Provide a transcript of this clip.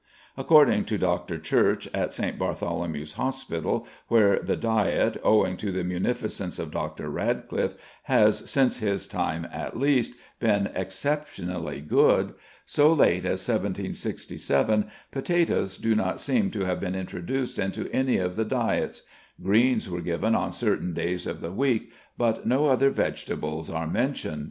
According to Dr. Church, at St. Bartholomew's Hospital, where the diet, owing to the munificence of Dr. Radcliffe, has, since his time at least, been exceptionally good, so late as 1767 potatoes do not seem to have been introduced into any of the diets; greens were given on certain days of the week, but no other vegetables are mentioned.